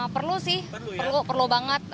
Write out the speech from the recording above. perlu sih perlu banget